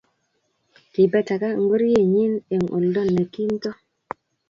Kibetaga ngorienyu eng' oldo ne kinto